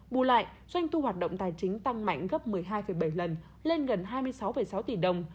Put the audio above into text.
bù lại doanh thu hoạt động tài chính tăng mạnh gấp một mươi hai bảy lần lên gần hai mươi sáu sáu tỷ đồng